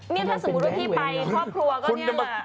นี่ถ้าสมมุติว่าพี่ไปครอบครัวก็เนี่ยแหละ